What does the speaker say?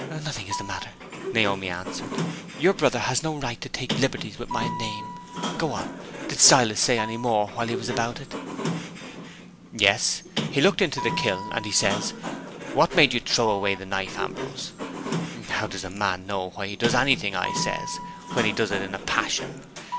"Nothing is the matter," Naomi answered. "Your brother has no right to take liberties with my name. Go on. Did Silas say any more while he was about it?" "Yes; he looked into the kiln; and he says, 'What made you throw away the knife, Ambrose?' 'How does a man know why he does anything,' I says, 'when he does it in a passion?